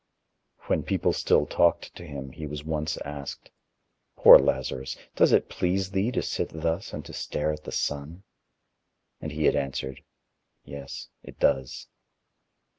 When people still talked to him, he was once asked: "Poor Lazarus, does it please thee to sit thus and to stare at the sun?" And he had answered: "Yes, it does."